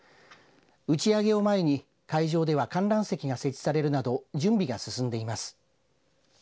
打ち上げを前に会場では観覧席が設置されるなど準備が進んでいます。